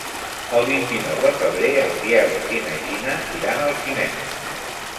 El vint-i-nou de febrer en Biel i na Gina iran al cinema.